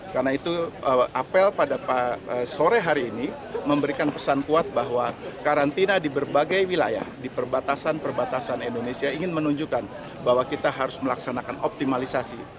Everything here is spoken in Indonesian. karena itu apel pada sore hari ini memberikan pesan kuat bahwa karantina di berbagai wilayah di perbatasan perbatasan indonesia ingin menunjukkan bahwa kita harus melaksanakan optimalisasi